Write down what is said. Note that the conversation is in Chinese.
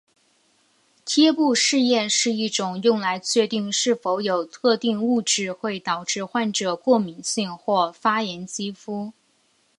贴布试验是一种用来确定是否有特定物质会导致患者过敏性或发炎肌肤。